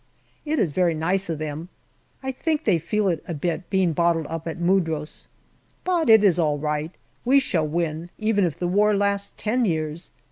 It is very nice of them. I think they feel it a bit, being bottled up at Mudros. But it is all right ; we shall win, even if the war lasts ten years.